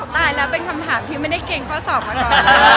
ตายแล้วเป็นคำถามที่ไม่ได้เกร็งข้อเสื้อก่อนเลย